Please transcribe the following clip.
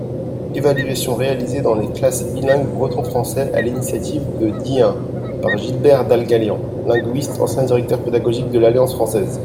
Evaluation réalisée dans les classes bilingues breton- français à l’initiative de Dihun par Gilbert Dalgalian, linguiste, ancien Directeur Pédagogique de l’Alliance Française.